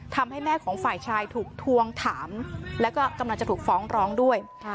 ทำให้แม่ของฝ่ายชายถูกทวงถามแล้วก็กำลังจะถูกฟ้องร้องด้วย